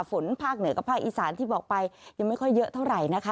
ภาคเหนือกับภาคอีสานที่บอกไปยังไม่ค่อยเยอะเท่าไหร่นะคะ